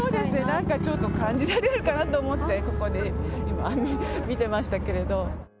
なんかちょっと感じられるかなと思って、ここで見てましたけ